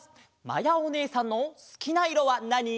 まやおねえさんのすきないろはなに？